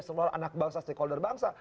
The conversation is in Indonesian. semua anak bangsa stakeholder bangsa